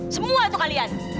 semua tuh kaliannya